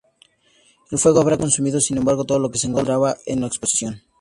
El fuego habrá consumido, sin embargo, todo lo que se encontraba en exposición.